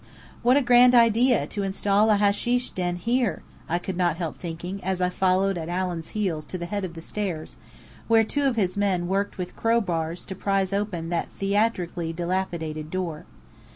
"What a grand idea to install a hasheesh den here!" I could not help thinking as I followed at Allen's heels to the head of the stairs, where two of his men worked with crowbars to prize open that theatrically dilapidated door.